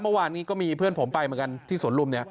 เมื่อวานนี้ก็มีเพื่อนผมไปเหมือนกันที่สวนลุมเนี่ย